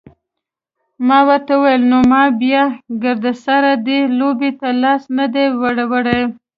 ما ورته وویل نه ما بیا ګردسره دې لوبې ته لاس نه دی وروړی.